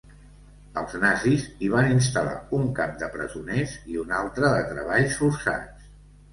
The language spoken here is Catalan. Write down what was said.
Els nazis hi van instal·lar un camp de presoners i un altre de treballs forçats.